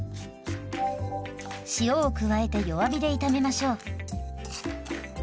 塩を加えて弱火で炒めましょう。